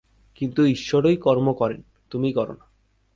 কিন্তু ঈশ্বরই কর্ম করেন, তুমি কর না।